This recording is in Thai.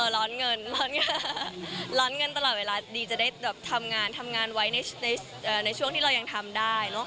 ร้อนเงินร้อนงานร้อนเงินตลอดเวลาดีจะได้แบบทำงานทำงานไว้ในช่วงที่เรายังทำได้